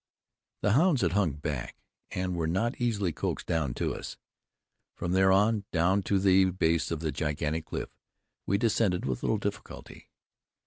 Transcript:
The hounds had hung back, and were not easily coaxed down to us. From there on, down to the base of the gigantic cliff, we descended with little difficulty.